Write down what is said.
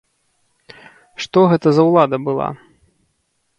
Што гэта за ўлада была?